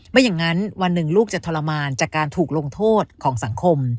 ไม่อย่างนั้นวันหนึ่งลูกจะทรมานจากการถูกลงโทษของสังคม